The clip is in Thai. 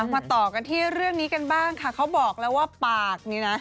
มาต่อกันที่เรื่องนี้กันบ้างค่ะเขาบอกแล้วว่าปากนี้นะ